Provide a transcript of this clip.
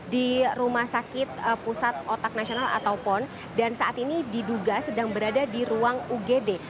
di rumah sakit pusat otak nasional ataupun dan saat ini diduga sedang berada di ruang ugd